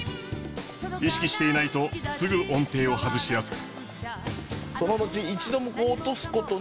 意識していないとすぐ音程を外しやすく。